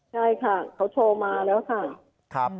ใช่ค่ะเขาโชว์มาแล้วค่ะ